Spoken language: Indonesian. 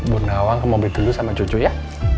bunda wang mau berdua sama cucu ya